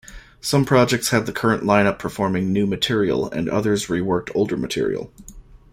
Some projects had the current line-up performing new material and others reworked older material.